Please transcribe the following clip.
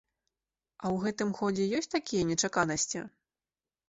А ў гэтым годзе ёсць такія нечаканасці?